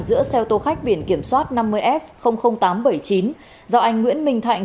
giữa xe ô tô khách biển kiểm soát năm mươi f tám trăm bảy mươi chín do anh nguyễn minh thạnh